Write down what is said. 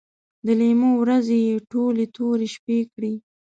د لیمو ورځې یې ټولې تورې شپې کړې